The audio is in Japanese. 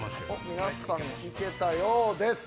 皆さん行けたようです。